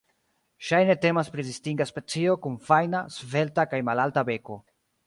Ŝajne temas pri distinga specio, kun fajna, svelta kaj malalta beko.